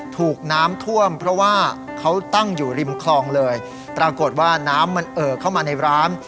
ถูกน้ำท่วมเพราะว่าเขาตั้งอยู่ริมคลองเลยปรากฏว่าน้ำมันเอ่อเข้ามาในร้าน